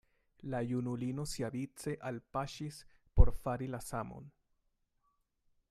La junulino siavice alpaŝis por fari la samon.